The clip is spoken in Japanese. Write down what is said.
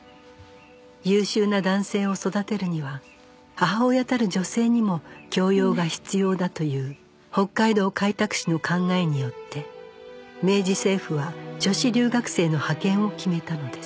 優秀な男性を育てるには母親たる女性にも教養が必要だという北海道開拓使の考えによって明治政府は女子留学生の派遣を決めたのです